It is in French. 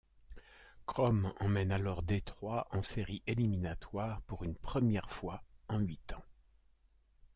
Kromm emmène alors Détroit en séries éliminatoires pour une première fois en huit ans.